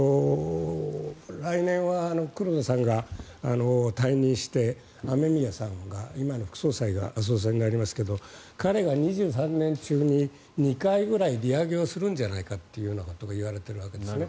来年は黒田さんが退任して雨宮さんが今の副総裁が総裁になりますが彼が２３年中に２回ぐらい利上げをするんじゃないかということがいわれているわけですね。